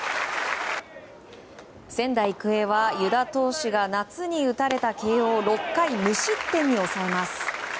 仙台育英は湯田投手が夏に打たれた慶応を６回、無失点に抑えます。